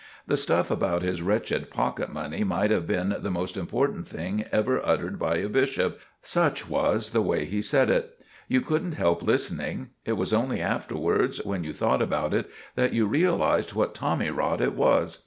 The stuff about his wretched pocket money might have been the most important thing ever uttered by a bishop, such was the way he said it. You couldn't help listening. It was only afterwards, when you thought about it, that you realized what tommy rot it was.